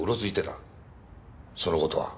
その事は？